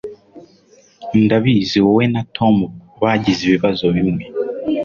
Ndabizi wowe na Tom bagize ibibazo bimwe